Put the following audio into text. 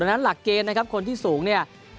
ดังนั้นหลักเกณฑ์คนที่สูงเนี่ย